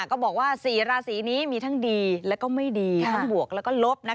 ก็บอกว่า๔ราศีนี้มีทั้งดีแล้วก็ไม่ดีทั้งบวกแล้วก็ลบ